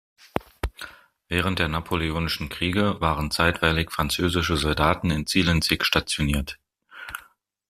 Während der napoleonischen Kriege waren zeitweilig französische Soldaten in Zielenzig stationiert.